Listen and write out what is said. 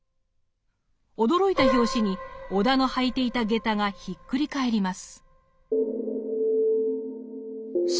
驚いた拍子に尾田の履いていた下駄がひっくり返ります。